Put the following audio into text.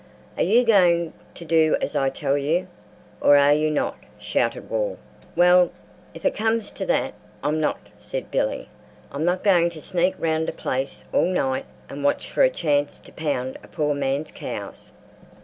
"Are you going to do as I tell you, or are you not?" shouted Wall. "Well, if it comes to that, I'm not," said Billy. "I'm not going to sneak round a place all night and watch for a chance to pound a poor man's cows."